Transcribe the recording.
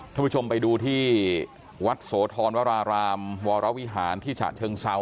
ท่านผู้ชมไปดูที่วัดโสธรวรารามวรวิหารที่ฉะเชิงเซา